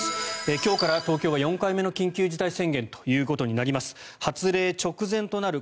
今日から東京は４回目の緊急事態宣言となります。